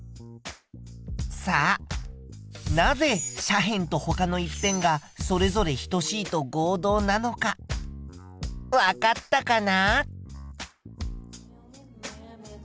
さあなぜ斜辺とほかの１辺がそれぞれ等しいと合同なのかわかったかな？